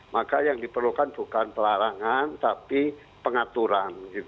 maka yang diperlukan bukan pelarangan tapi pengaturan